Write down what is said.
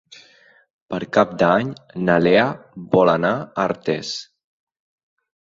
Per Cap d'Any na Lea vol anar a Artés.